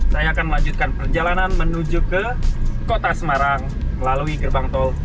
saya akan melanjutkan perjalanan menuju ke kota semarang melalui gerbang tol